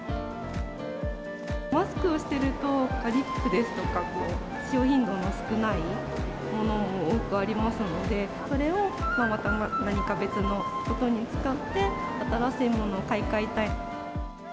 マスクをしてると、リップですとか、使用頻度の少ないものも多くありますので、それをまた何か別のことに使って、新しいものに買い替えたい。